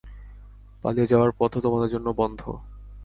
পালিয়ে যাবার পথও তোমাদের জন্য বন্ধ।